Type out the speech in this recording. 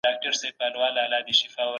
حکومتونه په بهرني سیاست کي څه لټوي؟